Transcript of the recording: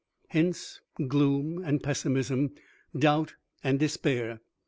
Hence gloom and pessimism, doubt and despair.